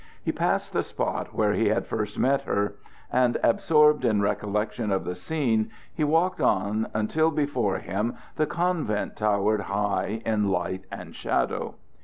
He passed the spot where he had first met her, and absorbed in recollection of the scene, he walked on until before him the convent towered high in light and shadow.